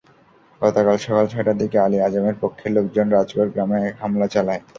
গতকাল সকাল ছয়টার দিকে আলী আজমের পক্ষের লোকজন রাজঘর গ্রামে হামলা চালায়।